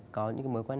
có những cái mối quan hệ